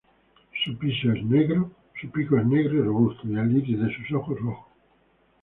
Su pico es negro y robusto y el iris de sus ojos rojo.